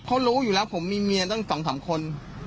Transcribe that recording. เขารู้อยู่แล้วผมมีเมียตั้ง๒๓คน